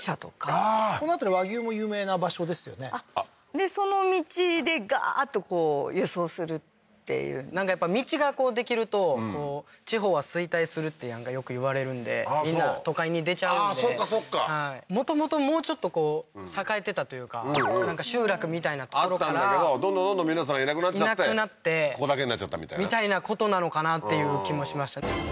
ああーこの辺り和牛も有名な場所ですよねあっでその道でガーッとこう輸送するっていうなんかやっぱ道がこうできると地方は衰退するってよく言われるんでみんな都会に出ちゃうんでああーそっかそっかもともともうちょっとこう栄えてたというか集落みたいな所からあったんだけどどんどんどんどん皆さんがいなくなっちゃってここだけになっちゃったみたいなみたいなことなのかなっていう気もしました